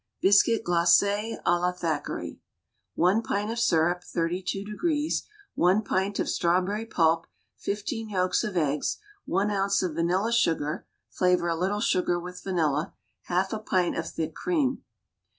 BISCUIT GLACÉ À LA THACKERAY. One pint of syrup (32°), one pint of strawberry pulp, fifteen yolks of eggs, one ounce of vanilla sugar (flavor a little sugar with vanilla), half a pint of thick cream.